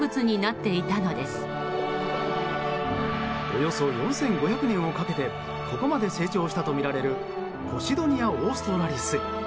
およそ４５００年をかけてここまで成長したとみられるポシドニア・オーストラリス。